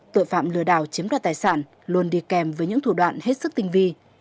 tội phạm lừa đảo chiếm đoạt tài sản luôn đi kèm với những thủ đoạn hết sức tinh vi